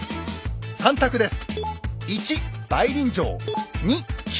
３択です。